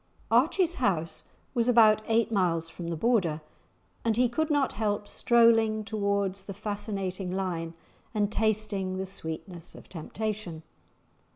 Archie's house was about eight miles from the Border, and he could not help strolling towards the fascinating line and tasting the sweetness of temptation.